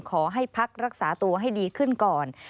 ขอให้พักรักษาตัวให้ดีขึ้นก่อน